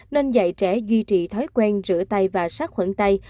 nên dạy trẻ duy trì thói quen rửa tay và sát khuẩn tay